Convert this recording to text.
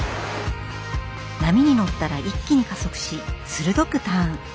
波に乗ったら一気に加速し鋭くターン！